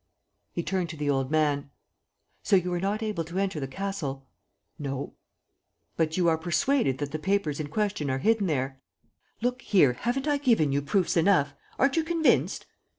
He turned to the old man: "So you were not able to enter the castle?" "No." "But you are persuaded that the papers in question are hidden there?" "Look here, haven't I given you proofs enough? Aren't you convinced?"